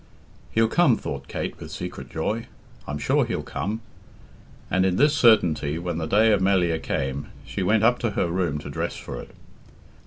"He'll come," thought Kate with secret joy, "I'm sure he'll come;" and in this certainty, when the day of Melliah came, she went up to her room to dress for it.